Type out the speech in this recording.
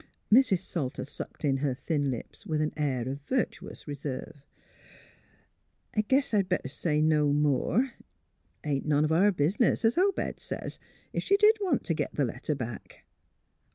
Mrs. Salter sucked in her thin lips with an air of virtuous reserve. " I guess I'd better say no more. It ain't none o' our business, es Obed says, if she did want t' git the letter back."